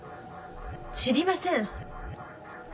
知りません！